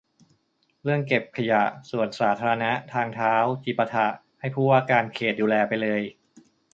เรื่องเก็บขยะ สวนสาธารณะ ทางเท้า จิปาถะ ให้ผู้ว่าการเขตดูแลไปเลย